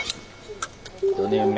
４年目。